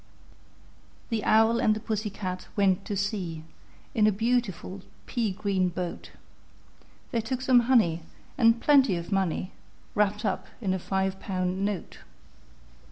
The Owl and the Pussy Cat went to sea In a beautiful pea green boat: They took some honey, and plenty of money Wrapped up in a five pound note.